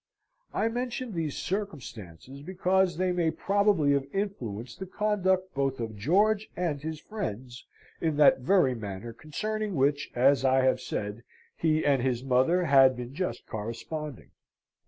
I mention these circumstances because they may probably have influenced the conduct both of George and his friends in that very matter concerning which, as I have said, he and his mother had been just corresponding.